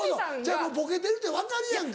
ボケてるって分かるやんか。